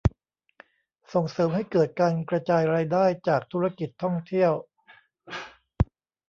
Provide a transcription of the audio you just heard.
ส่งเสริมให้เกิดการกระจายรายได้จากธุรกิจท่องเที่ยว